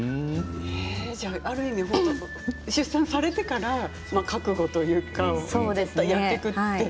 ある意味、出産をされてから覚悟というか、やっていくという。